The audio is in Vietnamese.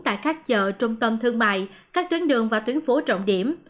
tại các chợ trung tâm thương mại các tuyến đường và tuyến phố trọng điểm